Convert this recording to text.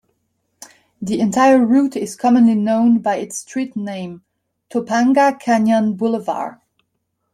The entire route is commonly known by its street name, Topanga Canyon Boulevard.